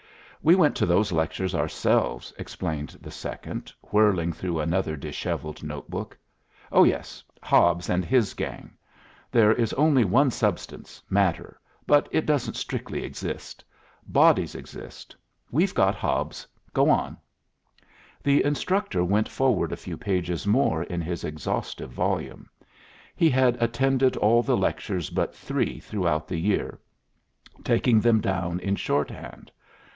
"We went to those lectures ourselves," explained the second, whirling through another dishevelled notebook. "Oh, yes. Hobbes and his gang. There is only one substance, matter, but it doesn't strictly exist. Bodies exist. We've got Hobbes. Go on." The instructor went forward a few pages more in his exhaustive volume. He had attended all the lectures but three throughout the year, taking them down in short hand.